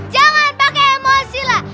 jangan pakai emosi lah